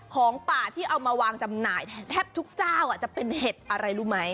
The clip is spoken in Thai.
ของป่าที่เอามาวางจำหน่ายแทบทุกเจ้าจะเป็นเห็ดอะไรรู้ไหม